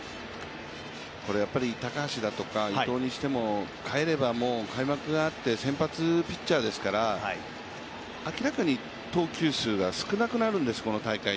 高橋だとか伊藤にしても、帰れば先発ピッチャーですから明らかに投球数、少なくなるんです、この大会。